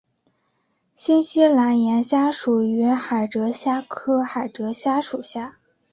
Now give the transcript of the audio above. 新西兰岩虾原属海螯虾科海螯虾属。